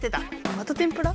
また天ぷら？